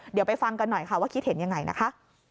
เดี๋ยวไปฟังกันหน่อยค่ะว่าคิดเห็นยังไงนะคะ